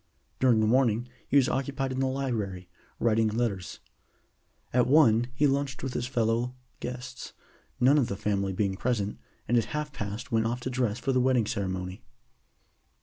During the morning he was occupied in the library, writing letters. At one he lunched with his fellow guests, none of the family being present, and at half past went off to dress for the wedding ceremony.